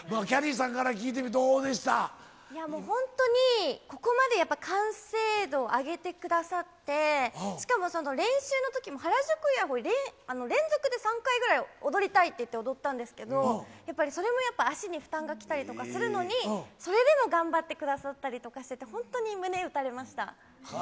きゃりーさんから聞いてると、いやもう、本当に、ここまでやっぱり完成度を上げてくださって、しかも練習のときも原宿いやほい、連続で３回ぐらい踊りたいっていって踊ったんですけど、やっぱりそれもやっぱ、足に負担がきたりとかするのに、それでも頑張ってくださったりとかしてて、本当に胸打たれました。